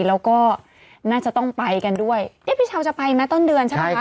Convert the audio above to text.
แล้วก็น่าจะต้องไปกันด้วยเดี้ยเปี้ยฉาวจะไปนะต้นเยือนใช่มั้ยคะ